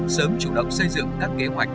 sớm chủ động xây dựng các kế hoạch